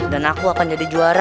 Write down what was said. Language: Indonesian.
dan aku akan jadi juara